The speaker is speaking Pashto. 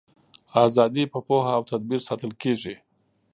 ازادي په پوهه او تدبیر ساتل کیږي.